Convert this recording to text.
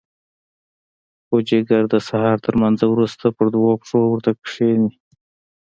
پوجيگر د سهار تر لمانځه وروسته پر دوو پښو ورته کښېني.